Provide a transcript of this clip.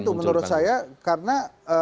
itu menurut saya karena